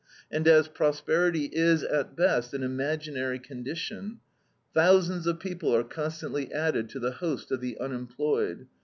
And as prosperity is, at best, an imaginary condition, thousands of people are constantly added to the host of the unemployed.